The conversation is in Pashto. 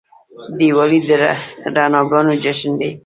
دیوالي د رڼاګانو جشن دی.